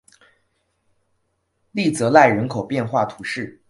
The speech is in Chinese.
利泽赖人口变化图示